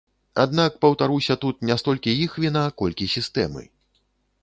Аднак, паўтаруся, тут не столькі іх віна, колькі сістэмы.